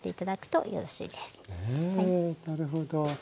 へなるほど。